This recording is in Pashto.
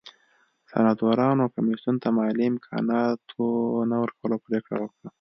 سناتورانو کمېسیون ته مالي امکاناتو نه ورکولو پرېکړه وکړه